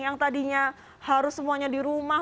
yang tadinya harus semuanya di rumah